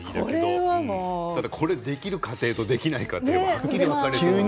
これできる家庭とできない家庭、はっきり分かれるような。